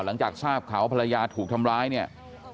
หลังจากทราบข่าวภรรยาถูกทำร้าย